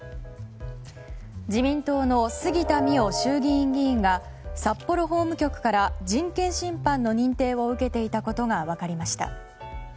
自民党の杉田水脈衆議院議員が札幌法務局から人権侵犯の認定を受けていたことが分かりました。